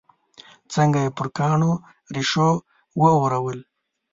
څنګه یې پر کاڼو ریشو واورول.